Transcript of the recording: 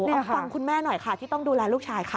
เดี๋ยวฟังคุณแม่หน่อยค่ะที่ต้องดูแลลูกชายค่ะ